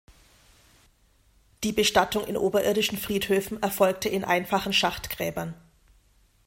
Die Bestattung in oberirdischen Friedhöfen erfolgte in einfachen Schachtgräbern.